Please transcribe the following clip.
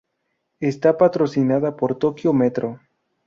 Está patrocinada por Tokyo Metro.